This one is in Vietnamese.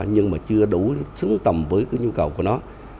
nhưng mà chưa đủ xứng tầm với cái nhu cầu của nó